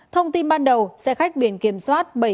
thông tin ban đầu xe khách biển kiểm soát